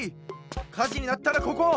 かじになったらここ！